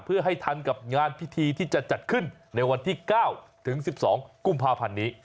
เพื่อให้ทันกับงานพิธีที่จะจัดขึ้นในวันที่๙ถึง๑๒กุมภาพันธ์นี้